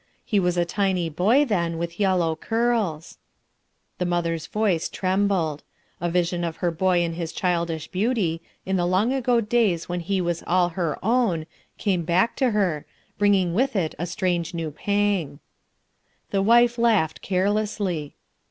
He was a tiny boy then, with yellow curls/' The mother's voice trembled. A vision of her boy in his childish beauty, in the tang ago days when he was all her own, came back to her, bringing with it a strange new pang. The wife laughed carelessly.